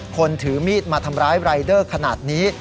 ถือมีดมาทำร้ายรายเดอร์ขนาดนี้